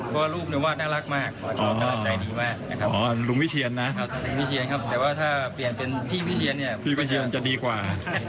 แต่ว่าถ้าเปลี่ยนเป็นพี่วิเชียนเนี่ยพี่วิเชียนจะดีกว่า